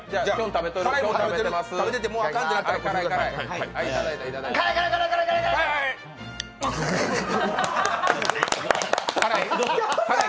食べてて、もうあかんってなったら辛い、辛い、辛い。